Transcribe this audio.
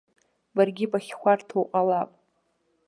Баргьы бахьхәарҭоу ҟалап.